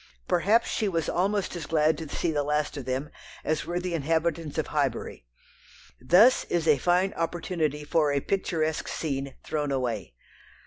Perhaps she was almost as glad to see the last of them as were the inhabitants of Highbury. Thus is a fine opportunity for a "picturesque" scene thrown away.